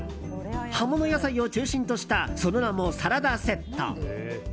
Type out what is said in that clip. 葉物野菜を中心としたその名もサラダセット。